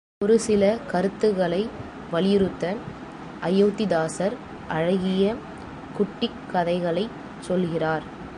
ஒரு சில கருத்துகளை வலியுறுத்த அயோத்திதாசர் அழகிய குட்டிக் கதைகளைச் சொல்கிறார்.